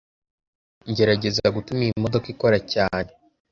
ngerageza gutuma iyi modoka ikora cyane